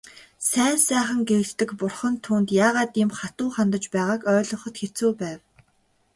Сайн сайхан гэгддэг бурхан түүнд яагаад ийм хатуу хандаж байгааг ойлгоход хэцүү байв.